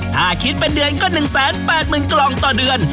ถ้าคิดเป็นเดือนก็๑๘๐๐๐กล่องต่อเดือน